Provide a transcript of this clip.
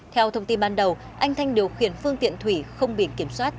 theo thông tin ban đầu anh thanh điều khiển phương tiện thủy không biển kiểm soát